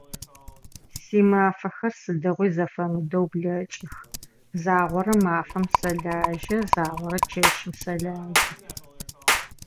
Симэфэхэр сыдигъуи зэфэмыдэу блэкӏых, загъорэ мафэм сэлэжьэ, загъорэ чэщым сэлэжьэ.